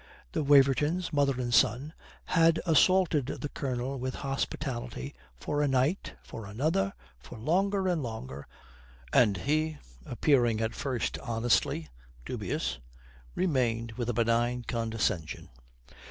The Wavertons, mother and son, had assaulted the Colonel with hospitality for a night for another for longer and longer and he, appearing at first honestly dubious, remained with a benign condescension.